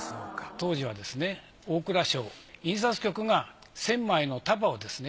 当時はですね大蔵省印刷局が１，０００枚の束をですね